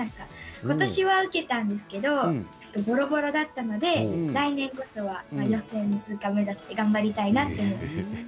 ことしは受けたんですけどぼろぼろだったので来年こそは予選通過目指して頑張りたいなと思います。